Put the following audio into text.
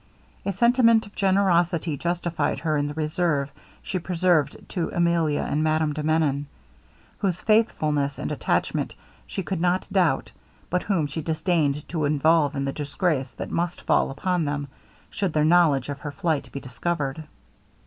A sentiment of generosity justified her in the reserve she preserved to Emilia and Madame de Menon, whose faithfulness and attachment she could not doubt, but whom she disdained to involve in the disgrace that must fall upon them, should their knowledge of her flight be discovered.